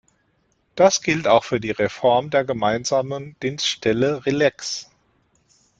Das gilt auch für die Reform der gemeinsamen Dienstsstelle Relex.